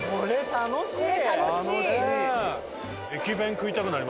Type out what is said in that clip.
楽しい！